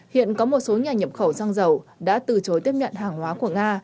hiện có một số nhà nhập khẩu xăng dầu đã từ chối tiếp nhận hàng hóa của nga